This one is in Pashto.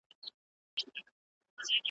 کي به ناڅي ښکلي پېغلي ,